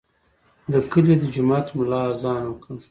د کلي د جومات ملا اذان وکړ.